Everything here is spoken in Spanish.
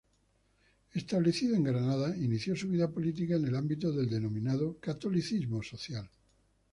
Establecido en Granada, inició su vida política en el ámbito del denominado catolicismo social.